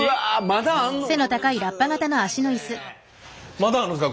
まだあるんですか？